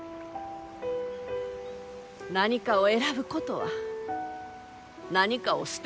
何かを選ぶことは何かを捨てることじゃ。